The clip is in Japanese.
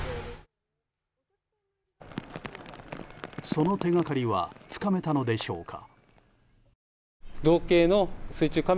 その手掛かりはつかめたのでしょうか。